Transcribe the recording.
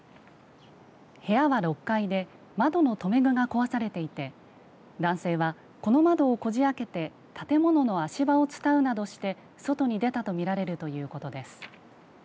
部屋は６階で窓の留め具が壊されていて男性は、この窓をこじあけて建物の足場を伝うなどして外に出たとみられるということです。